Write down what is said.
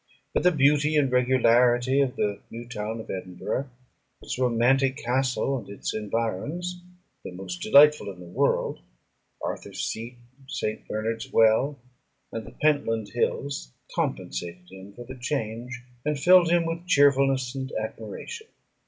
But the beauty and regularity of the new town of Edinburgh, its romantic castle, and its environs, the most delightful in the world, Arthur's Seat, St. Bernard's Well, and the Pentland Hills, compensated him for the change, and filled him with cheerfulness and admiration.